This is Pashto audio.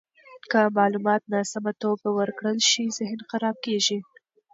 که معلومات ناسمه توګه ورکړل شي، ذهن خراب کیږي.